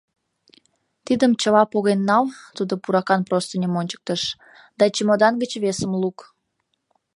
— Тидым чыла поген нал, — тудо пуракан простыньым ончыктыш, — да чемодан гыч весым лук.